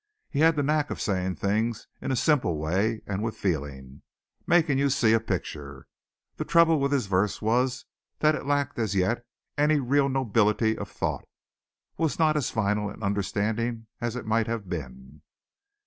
He had the knack of saying things in a simple way and with feeling making you see a picture. The trouble with his verse was that it lacked as yet any real nobility of thought was not as final in understanding as it might have been.